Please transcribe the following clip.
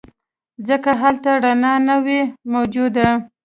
ځکه هلته رڼا نه وه موجوده.